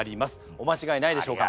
お間違えないでしょうか？